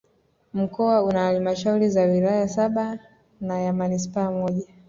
Mkoa una Halmashauri za wilaya saba na ya Manispaa moja